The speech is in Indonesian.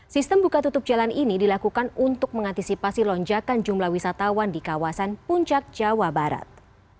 sistem buka tutup jalan ini dilakukan untuk mengantisipasi lonjakan jumlah wisatawan di kawasan puncak jawa barat